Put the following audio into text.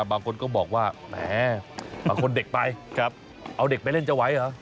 บางคนก็บอกว่าแหมบางคนเด็กไปเอาเด็กไปเล่นจะไหวเหรอ